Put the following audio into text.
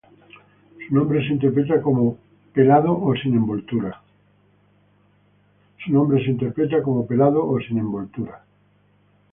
Su nombre se interpreta como ""Pelado o Sin Envoltura"".